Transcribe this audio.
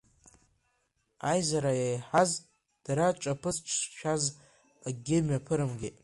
Аизара иеиҳаз, дара ҿаԥызҽшаз, акгьы мҩаԥырымгеит.